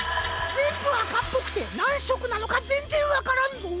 ぜんぶあかっぽくてなんしょくなのかぜんぜんわからんぞ。